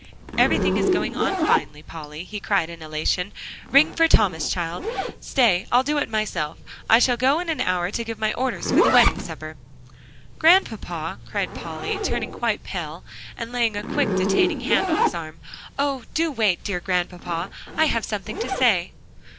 "Everything is going on finely, Polly," he cried in elation. "Ring for Thomas, child; stay, I'll do it myself. I shall go in an hour to give my orders for the wedding supper." "Grandpapa," cried Polly, turning quite pale, and laying a quick, detaining hand on his arm, "oh! do wait, dear Grandpapa, I have something to say."